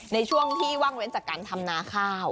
ในช่วงที่ว่างเว้นจากการทำนาข้าว